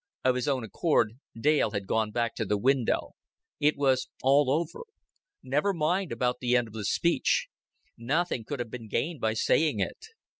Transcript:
Of his own accord Dale had gone back to the window. It was all over. Never mind about the end of the speech. Nothing could have been gained by saying it.